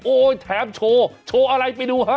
โอ้โฮแถมโชว์โชว์อะไรไปดูเหอะ